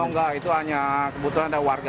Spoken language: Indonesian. tidak itu hanya kebutuhan dari warga